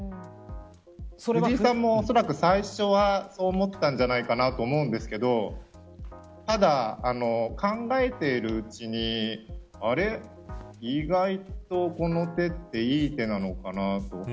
藤井さんも、おそらく最初はそう思ったんじゃないかなと思うんですけどただ、考えているうちにあれっ、意外とこの手っていい手なのかなと。